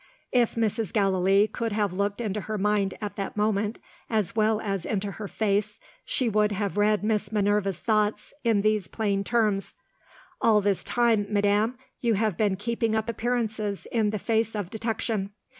If Mrs. Gallilee could have looked into her mind at that moment as well as into her face, she would have read Miss Minerva's thoughts in these plain terms: "All this time, madam, you have been keeping up appearances in the face of detection.